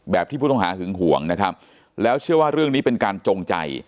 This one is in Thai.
ที่ผู้ต้องหาหึงห่วงนะครับแล้วเชื่อว่าเรื่องนี้เป็นการจงใจ